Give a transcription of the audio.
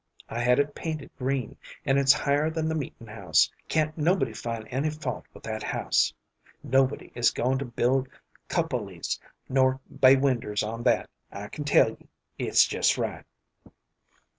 I had it painted green, and it's higher than the meetin' house. Can't nobody find any fault with that house. Nobody is going to build cupolys nor bay winders on that, I can tell ye. It's jest right."